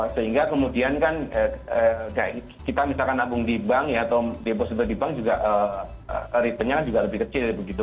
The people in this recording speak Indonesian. sehingga kemudian kan kita misalkan nabung di bank ya atau deposito di bank juga returnnya juga lebih kecil begitu